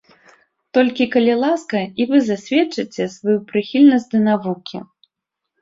Толькі, калі ласка, і вы засведчыце сваю прыхільнасць да навукі.